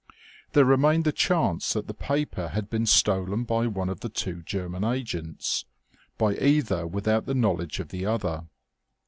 There remained the chance that the paper had been stolen by one of the two German agents by either without the knowledge of the other.